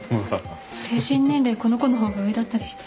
精神年齢この子の方が上だったりして。